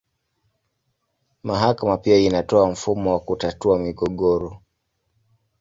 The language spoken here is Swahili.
Mahakama pia inatoa mfumo wa kutatua migogoro.